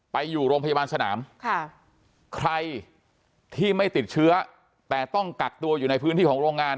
ไปอยู่โรงพยาบาลสนามค่ะใครที่ไม่ติดเชื้อแต่ต้องกักตัวอยู่ในพื้นที่ของโรงงาน